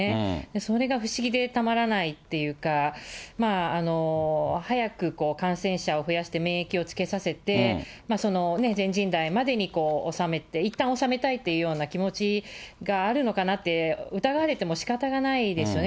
それが不思議でたまらないっていうか、早く感染者を増やして免疫をつけさせて、全人代までに収めて、いったん収めたいっていう気持ちがあるのかなって、疑われてもしかたがないですよね。